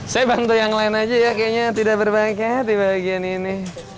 saya bantu yang lain aja ya kayaknya tidak berbahagia di bagian ini